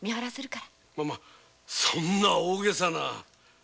そんな大げさな。